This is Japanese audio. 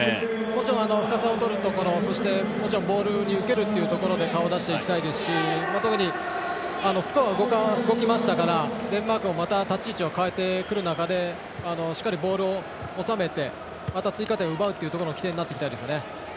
もちろん深さをとるところボールに受けるというところで顔を出していきたいですし特にスコアが動きましたからデンマークもまた立ち位置を変えてくる中でしっかりボールを収めてまた追加点を奪う起点になっていきたいですね。